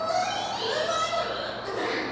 ・スクールアイドル⁉ハッ！